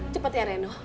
cepat ya reno